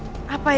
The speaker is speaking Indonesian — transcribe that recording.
halnya apa sih